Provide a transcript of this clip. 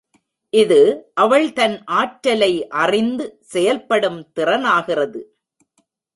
இது அவள் தன் ஆற்றலை அறிந்து செயல்படும் திறனாகிறது.